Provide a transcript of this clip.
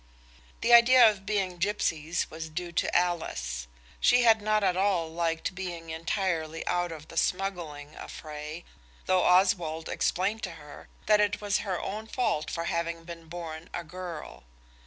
The idea of being gipsies was due to Alice. She had not at all liked being entirely out of the smuggling affray, though Oswald explained to her that it was her own fault for having been born a girl.